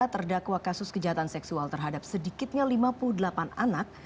terdakwa kasus kejahatan seksual terhadap sedikitnya lima puluh delapan anak